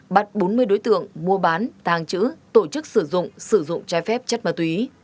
bắt bốn mươi đối tượng mua bán tàng trữ tổ chức sử dụng sử dụng trái phép chất ma túy